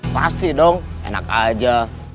pasti dong enak aja